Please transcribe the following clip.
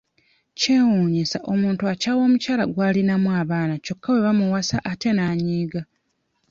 Kyewuunyisa omuntu akyawa omukyala gw'alinamu abaana kyokka bwe bamuwasa ate ng'anyiiga.